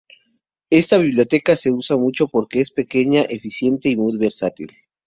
Esta biblioteca se usa mucho porque es pequeña, eficiente y muy versátil.